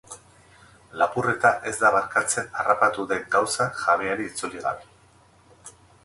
Lapurreta ez da barkatzen harrapatu den gauza jabeari itzuli gabe.